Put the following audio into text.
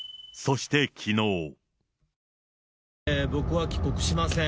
僕は帰国しません。